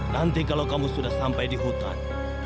nanti kalau kamu sudah sampai di hutan